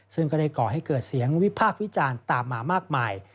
ซึ่งก็ได้ก่อให้เกิดเสียงวิพากษ์วิจารณ์ตามมามากมาย